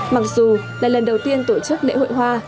mặc dù là lần đầu tiên tổ chức lễ hội hoa